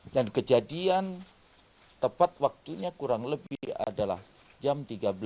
dan kejadian tepat waktunya kurang lebih adalah jam tiga belas